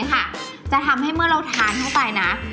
อีกนิดนี้ค่ะจะทำให้เมื่อเราทานเข้าไปนะ